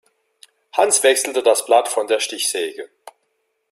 Hans wechselte das Blatt von der Stichsäge.